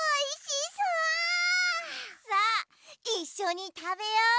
さあいっしょにたべよう！